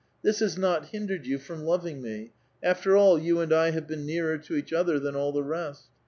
This has not hindered you from loving me ; after all, you and I have been nearer to each other than all the rest.